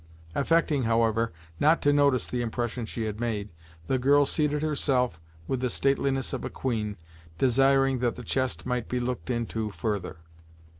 Affecting, however, not to notice the impression she had made, the girl seated herself with the stateliness of a queen, desiring that the chest might be looked into, further.